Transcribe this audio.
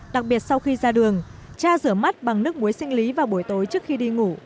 đặc biệt sau khi ra đường cha rửa mắt bằng nước muối sinh lý vào buổi tối trước khi đi ngủ